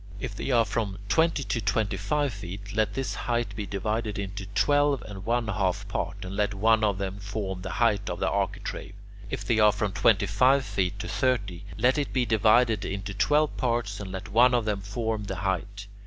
If they are from twenty to twenty five feet, let this height be divided into twelve and one half parts, and let one of them form the height of the architrave. If they are from twenty five feet to thirty, let it be divided into twelve parts, and let one of them form the height.